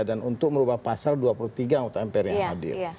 dan untuk merubah pasal dua puluh tiga untuk mpr yang hadir